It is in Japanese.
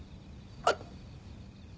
あっ。